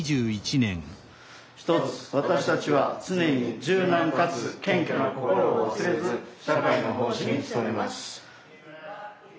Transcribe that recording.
ひとつ私たちは常に柔軟かつ謙虚な心を忘れず社会の奉仕に努めます。